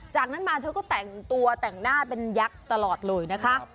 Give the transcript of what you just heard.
จากนั้นมาเธอก็แต่งตัวแต่งหน้าเป็นยักษ์ตลอดเลยนะคะ